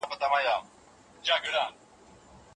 انلاين درسونه د خپلواکۍ مهارتونه بې تمرين سره نه زده کيږي.